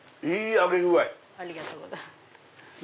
ありがとうございます。